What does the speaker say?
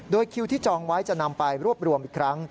โดยคิวที่จองไว้จะนำไปรวบรวมอีกครั้ง